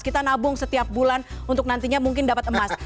kita nabung setiap bulan untuk nantinya mungkin dapat emas